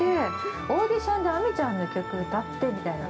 オーディションで亜美ちゃんの曲歌ってみたいな。